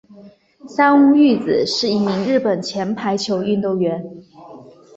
三屋裕子是一名日本前排球运动员。